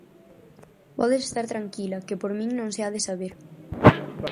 Podes estar tranquila que por min non se ha de saber.